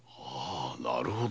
なるほど！